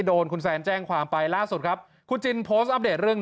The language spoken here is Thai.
โดนคุณแซนแจ้งความไปล่าสุดครับคุณจินโพสต์อัปเดตเรื่อง